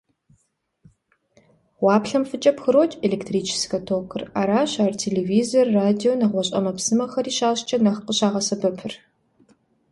Гъуаплъэм фӀыуэ пхрокӀ электрическэ токыр, аращ ар телевизор, радио, нэгъуэщӀ Ӏэмэпсымэхэри щащӀкӀэ нэхъ къыщӀагъэсэбэпыр.